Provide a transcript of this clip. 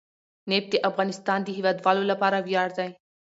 نفت د افغانستان د هیوادوالو لپاره ویاړ دی.